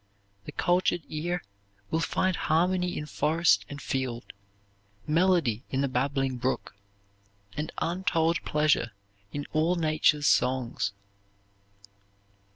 The cultured ear will find harmony in forest and field, melody in the babbling brook, and untold pleasure in all Nature's songs.